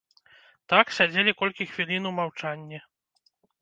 Так сядзелі колькі хвілін у маўчанні.